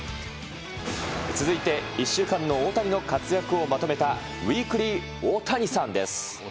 続いて、１週間の大谷の活躍をまとめた、ウイークリー・オオタニサン！です。